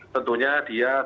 tentunya dia bukannya